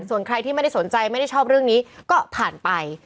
ส่วนใครที่ไม่ได้สนใจไม่ได้ชอบเรื่องนี้ก็ผ่านไป